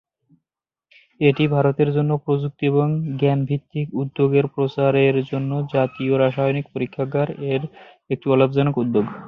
এটি ভারতের জন্য প্রযুক্তি এবং জ্ঞান-ভিত্তিক উদ্যোগের প্রচারের জন্য জাতীয় রাসায়নিক পরীক্ষাগার এর একটি অলাভজনক উদ্যোগ।